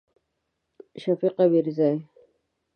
شفیق امیرزی